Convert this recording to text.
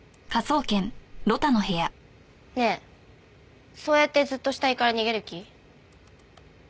ねえそうやってずっと死体から逃げる気？